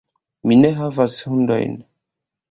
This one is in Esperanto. Mi ne havas hundojn.